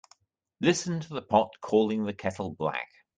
Listen to the pot calling the kettle black.